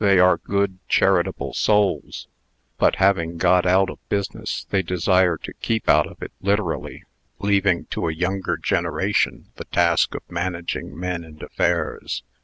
They are good, charitable souls; but, having got out of business, they desire to keep out of it literally, leaving to a younger generation the task of managing men and affairs.